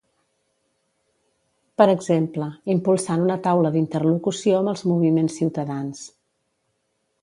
Per exemple, impulsant una taula d'interlocució amb els moviments ciutadans.